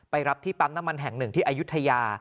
รับที่ปั๊มน้ำมันแห่งหนึ่งที่อายุทยา